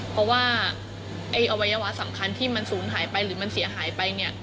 เพราะว่าอวัยวะสำคัญที่มันสูญหายไปหรือมันเสียหายไปเนี่ย